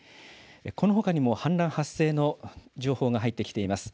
このほかにも氾濫発生の情報が入ってきています。